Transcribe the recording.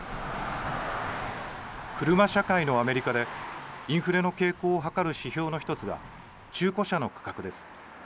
車社会のアメリカで、インフレの傾向を計る指標の１つが中古車の価格です。